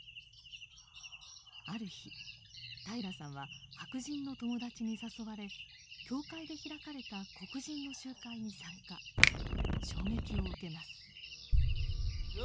ある日平良さんは白人の友達に誘われ教会で開かれた黒人の集会に参加衝撃を受けます。